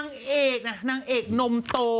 แม่นั่นนางเอกนมโต